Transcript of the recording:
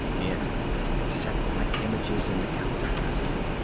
Men, set like images in the galleries.